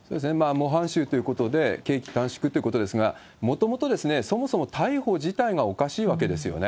模範囚ということで刑期短縮ということですが、もともと、そもそも逮捕自体がおかしいわけですよね。